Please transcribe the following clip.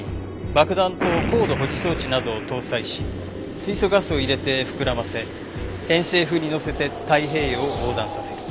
爆弾と高度保持装置などを搭載し水素ガスを入れて膨らませ偏西風に乗せて太平洋を横断させる。